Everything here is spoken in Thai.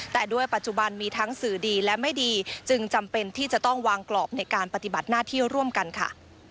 แต่ด้วยปัจจุบันมีทั้งสื่อดีและไม่ดีจึงจำเป็นที่จะต้องวางกรอบในการปฏิบัติหน้าที่ร่วมกันค่ะ